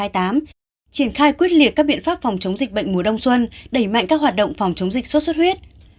triển khai quyết liệt các biện pháp phòng chống dịch bệnh mùa đông xuân đẩy mạnh các hoạt động phòng chống dịch sốt xuất huyết